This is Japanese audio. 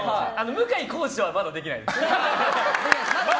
向井康二はまだできないです。